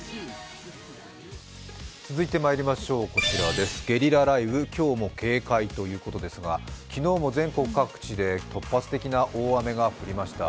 続いて、ゲリラ雷雨今日も警戒ということですが昨日も全国各地で突発的な大雨が降りました。